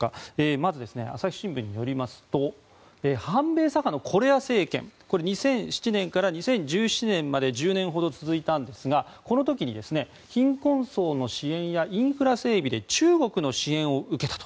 まず、朝日新聞によりますと反米左派のコレア政権２００７年から２０１７年まで１０年ほど続いたんですがこの時に貧困層の支援やインフラ整備で中国の支援を受けたと。